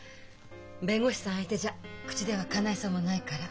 弁護士さん相手じゃ口ではかないそうもないから。